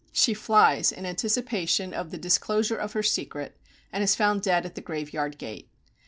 She flies, in anticipation of the disclosure of her secret, and is found dead at the graveyard gate.